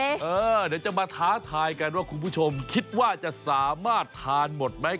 เดี๋ยวจะมาท้าทายกันว่าคุณผู้ชมคิดว่าจะสามารถทานหมดไหม